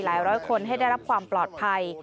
ร้อยคนให้ได้รับความปลอดภัย